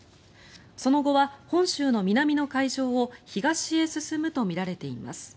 その後は本州の南の海上を東へ進むとみられています。